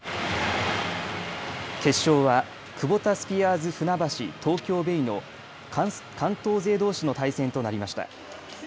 決勝はクボタスピアーズ船橋・東京ベイの関東勢どうしの対戦となりました。